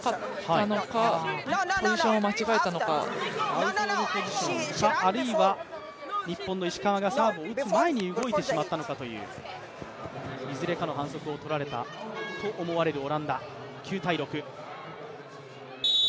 アウトオブポジションかあるいは日本の石川がサーブを打つ前に動いてしまったのかという、いずれかの反則をとられたと思われるオランダ。